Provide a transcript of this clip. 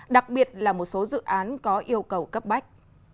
đặc biệt là một số dự án có yêu cầu cấp bách